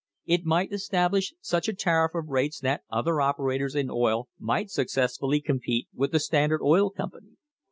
It might establish such a tariff of rates that other operators in oil might successfully compete with the Standard Oil Company.